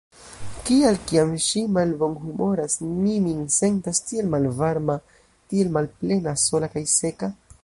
Kial, kiam ŝi malbonhumoras, mi min sentas tiel malvarma, tiel malplena, sola kaj seka?